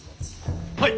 はい！